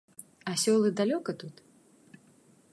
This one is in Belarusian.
А сёлы далёка тут?